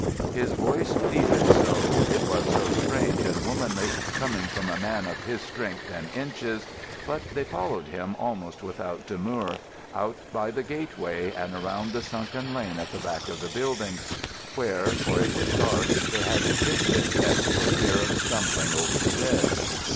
His voice pleaded so—it was so strange and womanly, coming from a man of his strength and inches—that they followed him almost without demur, out by the gateway and around the sunken lane at the back of the buildings, where (for it was dark) they had to pick their steps for fear of stumbling over the dead.